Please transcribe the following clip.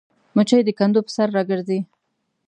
مچمچۍ د کندو پر سر راګرځي